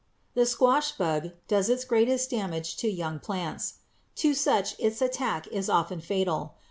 = The squash bug does its greatest damage to young plants. To such its attack is often fatal.